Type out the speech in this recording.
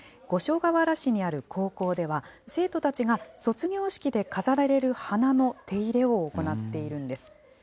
五所川原市にある高校では、生徒たちが卒業式で飾られる花の手入れを行っているんです。